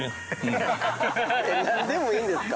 何でもいいんですか？